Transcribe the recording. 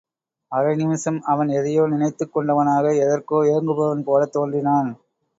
அரை நிமிஷம் அவன் எதையோ நினைத்துக் கொண்டவனாக எதற்கோ ஏங்குபவன் போலத் தோன்றினான்.